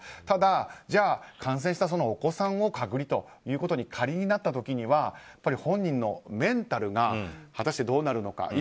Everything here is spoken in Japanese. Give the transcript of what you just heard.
ただ、感染したそのお子さんを隔離ということに仮になった時には本人のメンタルが果たしてどうなるのか。